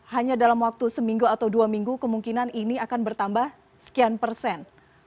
hanya dalam waktu seminggu atau dua minggu kemungkinan ini akan bertambah sekian persen